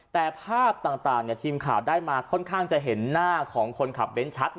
แต่ภาพต่างทีมข่าวได้มาค่อนข้างจะเห็นหน้าของคนขับเบ้นชัด